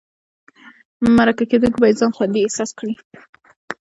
مرکه کېدونکی باید ځان خوندي احساس کړي.